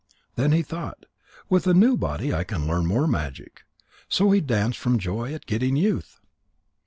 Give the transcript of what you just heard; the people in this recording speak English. Then he thought: With a new body I can learn more magic.' So he danced from joy at getting youth."